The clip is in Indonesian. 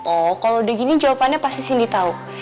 oh kalo udah gini jawabannya pasti sindi tau